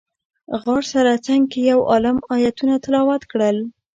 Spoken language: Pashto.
غار سره څنګ کې یو عالم ایتونه تلاوت کړل.